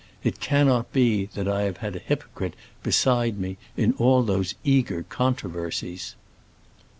It cannot be that I have had a hypocrite beside me in all those eager controversies!"